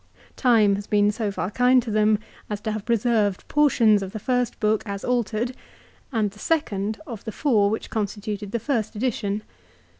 Time has been so far kind to them as to have preserved portions of the first book as altered, and the second of the four which constituted the first edition.